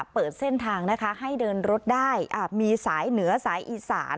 เปิดเส้นทางนะคะให้เดินรถได้มีสายเหนือสายอีสาน